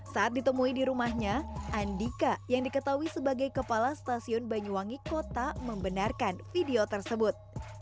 saat ditemui di rumahnya andika yang diketahui sebagai kepala stasiun banyuwangi kota membenarkan video tersebut